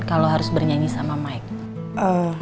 kalau harus bernyanyi sama mike